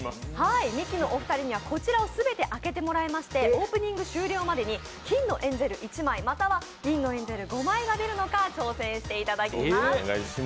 ミキのお二人には、こちらを全て開けてもらいまして、オープニング終了までに金のエンゼル１枚、または銀のエンゼル５枚が出るのか挑戦していただきます。